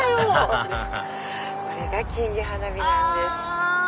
アハハハハこれが金魚花火なんです。